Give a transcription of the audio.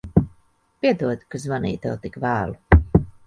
Piedod, ka zvanīju tev tik vēlu.